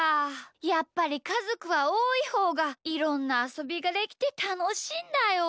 やっぱりかぞくはおおいほうがいろんなあそびができてたのしいんだよ！